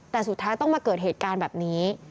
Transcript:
แต่สุดท้ายต้องมาเกิดเหตุการณ์แบบนี้